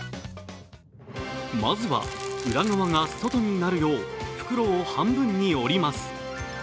まずは裏側が外になるよう袋を半分に折ります。